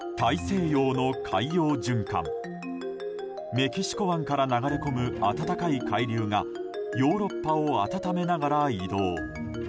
メキシコ湾から流れ込む暖かい海流がヨーロッパを暖めながら移動。